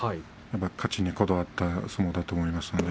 勝ちにこだわった相撲だと思います。